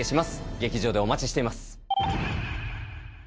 劇場でお待ちしてます。